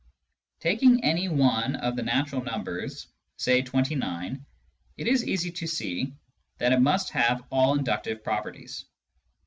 Taking any one of the natural numbers, say 29, it is easy to see that it must have all inductive properties.